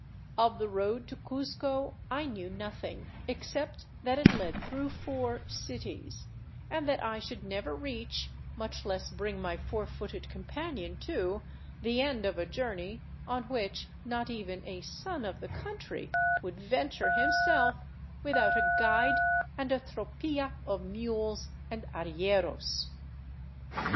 Of the road to Cuzco I knew nothing, except that it led through four " cities," and that I should never reach, much less bring my four footed companion to, the end of a journey on which not even a " son of the country " would " venture himself " without a guide and a tropilla of mules and arrieros.